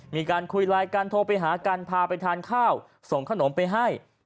มีการคุยไลน์กันโทรไปหากันพาไปทานข้าวส่งขนมไปให้